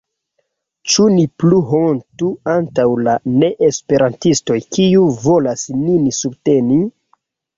Ĉu ni plu hontu antaŭ la neesperantistoj kiuj volas nin subteni?